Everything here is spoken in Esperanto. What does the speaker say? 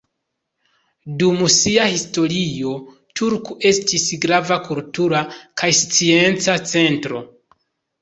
Dum sia historio, Turku estis grava kultura kaj scienca centro.